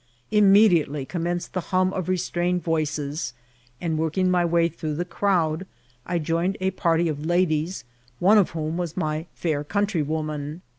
Imme diately commenced the hum of restrained voices ; and working my way through the crowd, I joined a party of ladies, one of whom was my fair countrywoman.